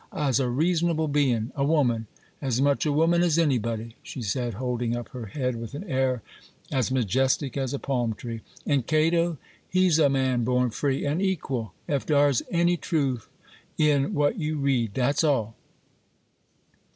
I's a reasonable bein',—a woman,—as much a woman as anybody,' she said, holding up her head with an air as majestic as a palm tree;—'an' Cato,—he's a man born free an' equal, ef dar's any truth in what you read,—dat's all.